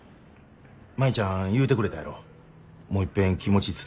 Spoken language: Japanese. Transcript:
舞ちゃん言うてくれたやろもういっぺん気持ち伝えたらええて。